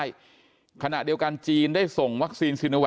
ก็คือเป็นการสร้างภูมิต้านทานหมู่ทั่วโลกด้วยค่ะ